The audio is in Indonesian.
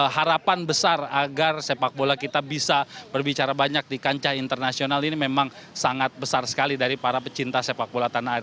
harapan besar agar sepak bola kita bisa berbicara banyak di kancah internasional ini memang sangat besar sekali dari para pecinta sepak bola tanah air